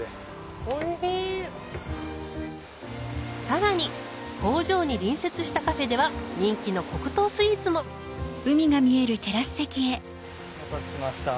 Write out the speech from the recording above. さらに工場に隣接したカフェでは人気の黒糖スイーツもお待たせしました。